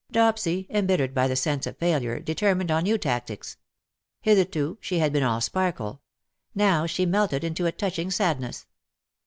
'' Dopsy, embittered by the sense of failure, de termined on new tactics. Hitherto she had been all sparkle — now she melted into a touching sadness.